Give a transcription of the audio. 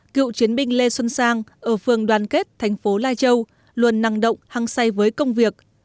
cựu chiến binh lê xuân sang ở phường đoàn kết thành phố lai châu luôn năng động hăng say với công việc